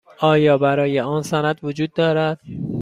آیا برای آن سند وجود دارد؟